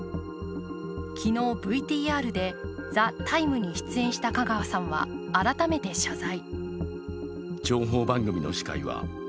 昨日ＶＴＲで、「ＴＨＥＴＩＭＥ，」に出演した香川さんは改めて謝罪。